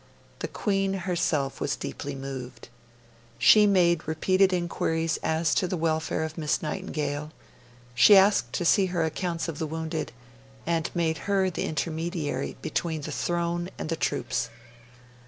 The Queen herself was deeply moved. She made repeated inquiries as to the welfare of Miss Nightingale; she asked to see her accounts of the wounded, and made her the intermediary between the throne and the troops.